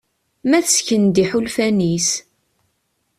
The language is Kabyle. Ma tesken-d iḥulfan-is.